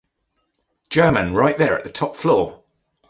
‘’German, right there at the top floor.’’